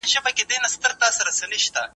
پدې سورت کي د پيريانو بحث سته.